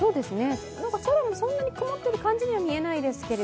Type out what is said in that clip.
空もそんなに曇ってる感じには見えないですけれども。